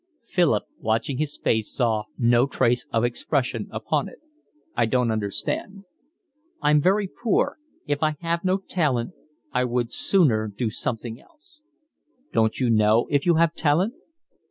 Philip, watching his face, saw no trace of expression upon it. "I don't understand." "I'm very poor. If I have no talent I would sooner do something else." "Don't you know if you have talent?"